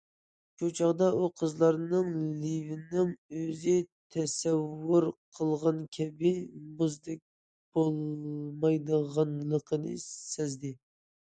شۇ چاغدا ئۇ قىزلارنىڭ لېۋىنىڭ ئۆزى تەسەۋۋۇر قىلغان كەبى مۇزدەك بولمايدىغانلىقىنى سەزدى.